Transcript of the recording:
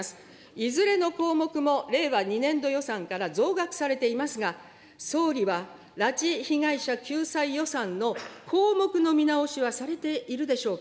いずれの項目も令和２年度予算から増額されていますが、総理は拉致被害者救済予算の項目の見直しはされているでしょうか。